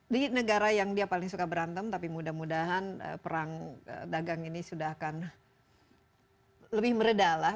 di negara yang dia paling suka berantem tapi mudah mudahan perang dagang ini sudah akan lebih meredah lah